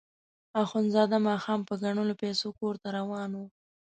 اخندزاده ماښام په ګڼلو پیسو کور ته روان وو.